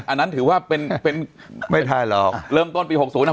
อันนั้นถือว่าเป็นเริ่มต้นปี๖๐นะ